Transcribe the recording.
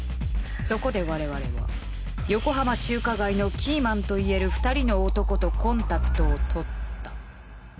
そこで我々は横浜中華街のキーマンと言える２人の男とコンタクトを取った。